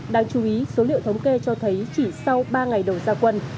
đáng chú ý số liệu thống kê cho thấy chỉ sau ba ngày đầu gia quân